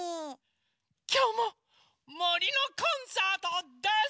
きょうも「もりのコンサート」です。